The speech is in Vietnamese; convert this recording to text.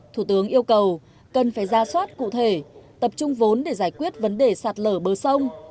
thủ tướng yêu cầu cần phải ra soát cụ thể tập trung vốn để giải quyết vấn đề sạt lở bờ sông